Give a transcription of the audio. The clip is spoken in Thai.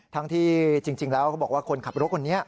ทั้งที่จริงแล้วเขาบอกว่าคนขับรถคนนี้